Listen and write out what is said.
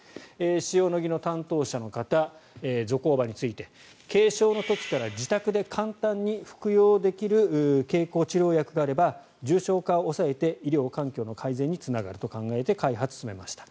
塩野義の担当者の方ゾコーバについて軽症の時から自宅で簡単に服用できる経口治療薬があれば重症化を抑えて医療環境の改善につながると考えて開発を進めました。